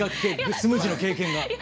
スムージーの経験が。